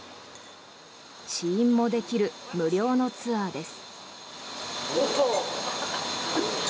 試飲もできる無料のツアーです。